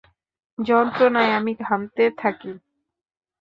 যন্ত্রণায় আমি ঘামতে থাকি।